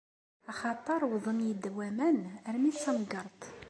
Axaṭer wwḍen-iyi-d waman armi d tamegreḍt!